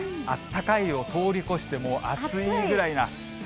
あったかいを通り越して、もう暑いぐらいな。